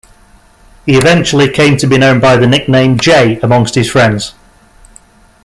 He eventually came to be known by the nickname "Jay" among his friends.